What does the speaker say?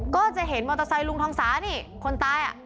ก็จะเห็นมอเตอร์ไซค์ลุงทองสานี่คนตายอ่ะ